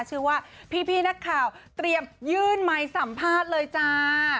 ชื่อว่าพี่นักข่าวเตรียมยื่นไมค์สัมภาษณ์เลยจ้า